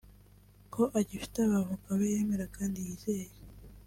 ko agifite abavoka be yemera kandi yizeye